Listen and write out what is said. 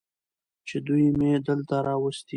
چې دوي مې دلته راوستي.